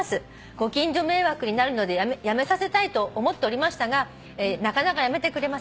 「ご近所迷惑になるのでやめさせたいと思ってましたがなかなかやめてくれません」